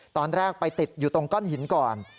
ตอนแรกไปติดอยู่ตรงก้อนหินก่อน